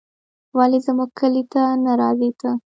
ولې زموږ کلي ته نه راځې ته